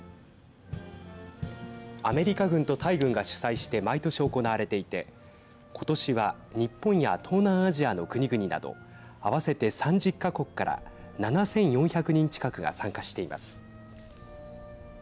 アメリカ軍とタイ軍が主催して毎年行われていて今年は日本や東南アジアの国々など合わせて３０か国から７４００人近くが参加しています。